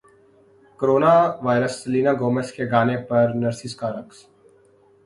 corona virus Selena Gomez کے گانے پر نرسز کا رقص